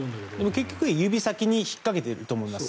結局、指先に引っかけていると思います。